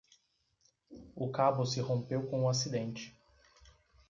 O cabo se rompeu com o acidente